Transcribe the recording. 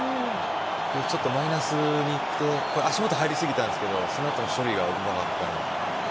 ちょっとマイナスに行って足元に入りすぎたんですけどそのあとの処理がうまかった。